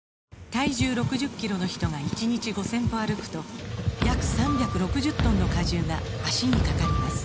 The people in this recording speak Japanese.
体重６０キロの人が１日５０００歩歩くと約３６０トンの荷重が脚にかかります